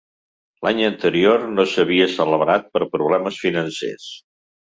L'any anterior no s'havia celebrat per problemes financers.